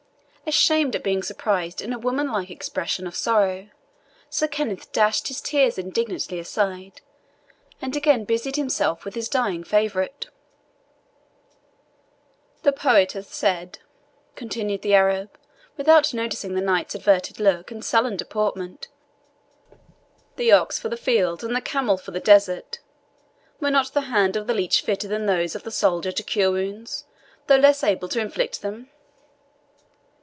Ashamed at being surprised in a womanlike expression of sorrow, Sir Kenneth dashed his tears indignantly aside, and again busied himself with his dying favourite. "The poet hath said," continued the Arab, without noticing the knight's averted looks and sullen deportment, "the ox for the field, and the camel for the desert. Were not the hand of the leech fitter than that of the soldier to cure wounds, though less able to inflict them?"